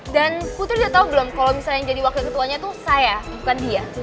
dan putri udah tau belum kalau misalnya yang jadi wakil ketuanya itu saya bukan dia